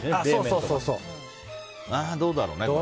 どうだろうね。